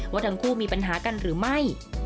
ว่าทั้งคู่มีปัญหากันหรือไม่